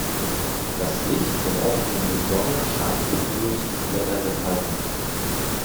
Das Licht der aufgehenden Sonne scheint durch die Blätter der Palmen.